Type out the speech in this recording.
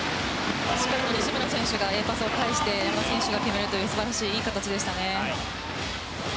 西村選手がＡパスを返して山田選手が決めるという素晴らしい、いい形でしたね。